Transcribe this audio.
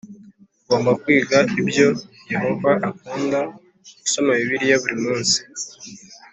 Ugomba kwiga ibyo Yehova akunda usoma Bibiliya buri munsi